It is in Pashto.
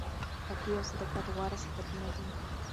پاکي او صداقت غوره صفتونه دي.